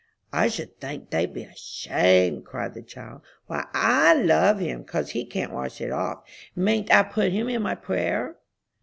"I should think they'd be ashamed," cried the child. "Why, I love him, 'cause he can't wash it off! Mayn't I put him in my prayer?"